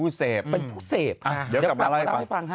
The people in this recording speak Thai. เดี๋ยวกลับมาเล่าให้ฟังฮะ